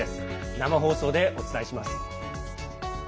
生放送でお伝えします。